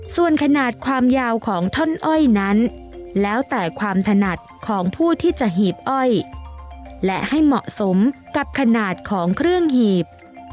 ส่วนขนาดความยาวของท่อนอ้อยนั้นแล้วแต่ความถนัดของผู้ที่จะหีบอ้อยและให้เหมาะสมกับขนาดของเครื่องหีบ